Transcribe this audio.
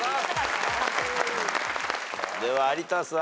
では有田さん。